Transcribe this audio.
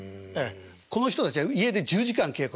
この人たちは家で１０時間稽古。